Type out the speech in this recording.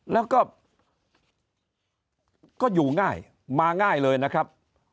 แล้วก็อยู่ง่ายมาง่ายเลยนะครับ